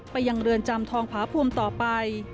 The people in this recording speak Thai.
ไปยังเรือนจำทองผาภูมิต่อไป